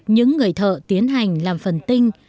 những người thợ tiến hành làm phần tinh